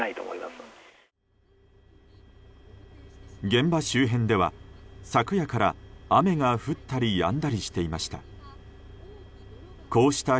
現場周辺では昨夜から雨が降ったりやんだりしていました。